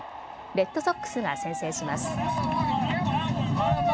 レッドソックスが先制します。